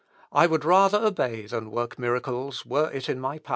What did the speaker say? I would rather obey than work miracles, were it in my power."